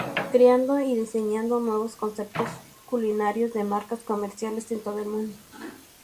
Creando y diseñando nuevos conceptos culinarios de marcas comerciales en todo el mundo.